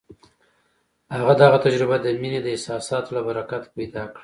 هغه دغه تجربه د مينې د احساساتو له برکته پيدا کړه.